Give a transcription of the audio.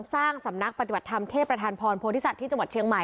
สร้างสำนักปฏิบัติธรรมเทพประธานพรโพธิสัตว์ที่จังหวัดเชียงใหม่